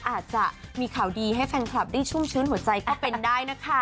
อาจจะมีข่าวดีให้แฟนคลับได้ชุ่มชื้นหัวใจก็เป็นได้นะคะ